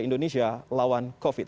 indonesia lawan covid